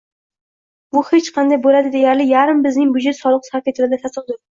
Bu hech qanday bo'ladi deyarli yarmi bizning byudjeti soliq sarf etiladi tasodif